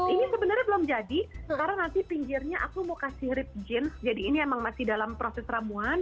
ini sebenarnya belum jadi karena nanti pinggirnya aku mau kasih rip jeans jadi ini emang masih dalam proses ramuan